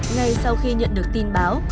ngay sau khi nhận được tin báo